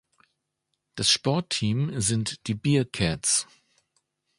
Das Sportteam sind die "Bearcats".